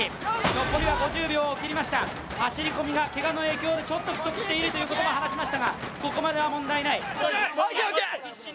残りは５０秒を切りました、走り込みがけがの影響でちょっと不足しているとも話しましたが、ここまでは問題ない。